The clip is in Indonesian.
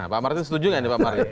pak martin setuju nggak nih pak martin